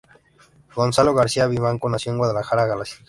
Gonzalo García Vivanco nació en Guadalajara, Jalisco.